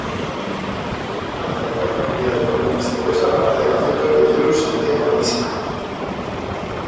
Al hacerlo adquirió de forma misteriosa parte del afecto que Jealous sentía por Misa.